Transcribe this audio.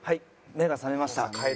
目が覚めました。